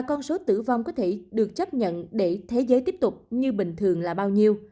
con số tử vong có thể được chấp nhận để thế giới tiếp tục như bình thường là bao nhiêu